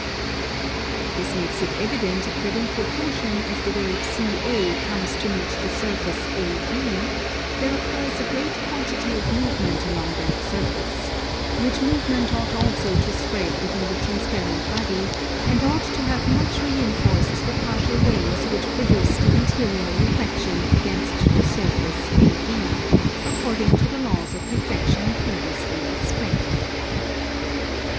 This makes it evident that in proportion as the wave CA comes to meet the surface AB, there occurs a great quantity of movement along that surface; which movement ought also to spread within the transparent body and ought to have much re enforced the partial waves which produce the interior reflexion against the surface AB, according to the laws of reflexion previously explained.